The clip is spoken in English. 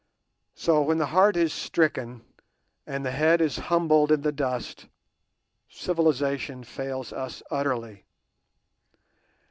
So, when the heart is stricken, and the head is humbled in the dust, civilization fails us utterly.